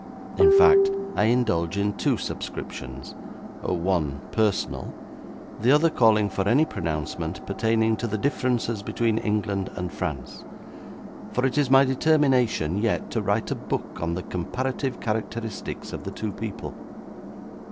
In fact, I indulge in two subscriptions one personal; the other calling for any pronouncement pertaining to the differences between England and France; for it is my determination yet to write a book on the comparative characteristics of the two people.